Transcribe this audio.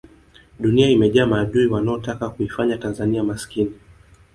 dunia imejaa maadui wanaotaka kuifanya tanzania maskini